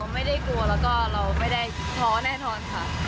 ไม่ได้กลัวแล้วก็เราไม่ได้ท้อแน่นอนค่ะ